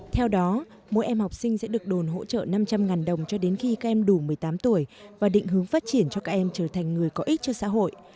theo đó mỗi em học sinh sẽ được đồn hỗ trợ năm trăm linh đồng cho đến khi các em đủ một mươi tám tuổi và định hướng phát triển cho các em trở thành người có ích cho xã hội